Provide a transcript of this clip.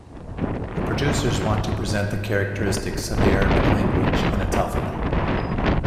The producers wanted to present the characteristics of the Arabic language and its alphabet.